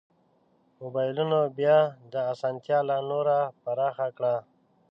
مبایلونو بیا دا اسانتیا لا نوره پراخه کړه.